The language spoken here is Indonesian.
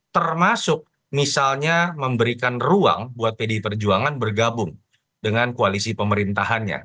termasuk misalnya memberikan ruang buat pdi perjuangan bergabung dengan koalisi pemerintahannya